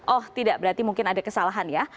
oh tidak berarti mungkin ada kesalahan ya